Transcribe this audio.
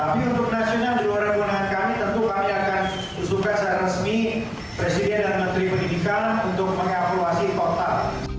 tapi untuk nasional jelurah kewenangan kami tentu kami akan susulkan secara resmi presiden dan menteri pendidikan untuk menghapus total